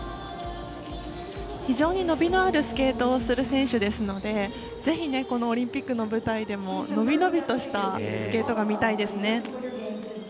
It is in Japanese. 非常に伸びのあるスケートをする選手ですのでぜひこのオリンピックの舞台でも伸び伸びとしたスケートが見たいですね。